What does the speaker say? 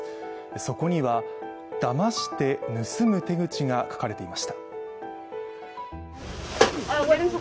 そこにはだまして盗む手口が書かれていました。